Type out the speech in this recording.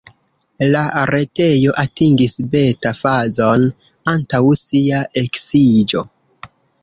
La retejo atingis beta-fazon antaŭ sia eksiĝo.